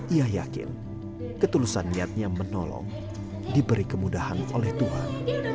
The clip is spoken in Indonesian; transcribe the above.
ia yakin ketulusan niatnya menolong diberi kemudahan oleh tuhan